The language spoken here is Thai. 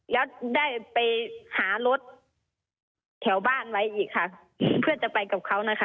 แล้วได้ไปหารถแถวบ้านไว้อีกค่ะเพื่อจะไปกับเขานะคะ